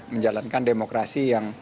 menjalankan demokrasi yang